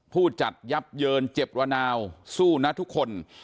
ผู้จัดยับเยินเจ็บระนาวสู้นะทุกคน